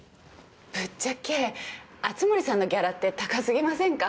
ぶっちゃけ熱護さんのギャラって高過ぎませんか？